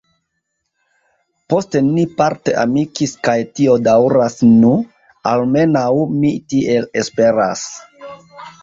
Poste ni parte amikis kaj tio daŭras nu, almenaŭ mi tiel esperas.